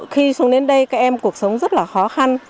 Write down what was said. khi xuống đến đây các em cuộc sống rất là khó khăn